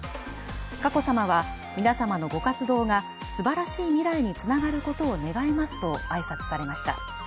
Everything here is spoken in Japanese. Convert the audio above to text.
佳子さまは、皆様のご活動がすばらしい未来につながることを願いますと挨拶されました。